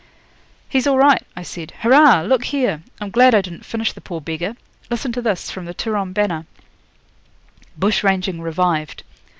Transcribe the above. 'He's all right,' I said. 'Hurrah! look here. I'm glad I didn't finish the poor beggar. Listen to this, from the "Turon Banner": 'BUSH RANGING REVIVED.